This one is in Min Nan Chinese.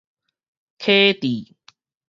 啟智